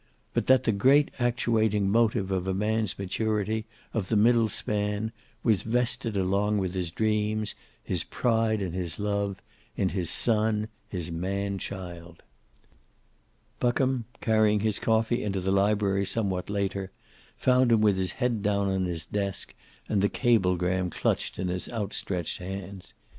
But that the great actuating motive of a man's maturity, of the middle span, was vested along with his dreams, his pride and his love, in his son, his man child. Buckham, carrying his coffee into the library somewhat later, found him with his head down on his desk, and the cablegram clutched in his outstretched hands.